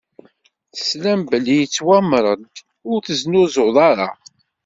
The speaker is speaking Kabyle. Teslam belli yettwameṛ-d: Ur tzennuḍ ara!